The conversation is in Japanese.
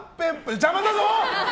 邪魔だぞ！